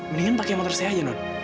mendingan pakai motor saya aja non